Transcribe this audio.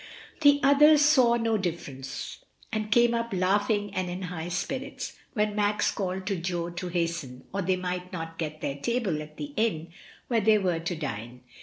The others saw no difference, and came up laughing and in high spirits, when Max called to Jo to hasten, or they might not get their table at the inn where they were to dine.